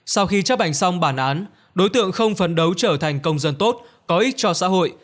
sau khi chấp hành xong bản án đối tượng không phấn đấu trở thành công dân tốt có ích cho xã hội